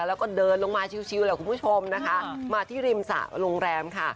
แล้วก็เดินลงมาชิวแหละคุณผู้ชมนะคะมาที่ริมสระโรงแรมค่ะ